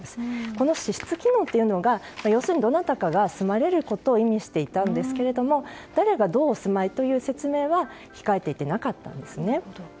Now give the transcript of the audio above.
この私室機能というのが要するにどなたが住まれることを意味していたんですけれども誰がどうお住まいという説明は控えていて、なかったんですね。